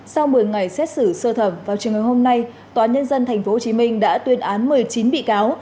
sau một mươi ngày xét xử sơ thẩm vào trường ngày hôm nay tòa nhân dân tp hcm đã tuyên án một mươi chín bị cáo